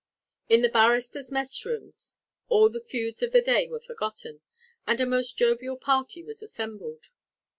In the barristers' mess room all the feuds of the day were forgotten, and a most jovial party was assembled.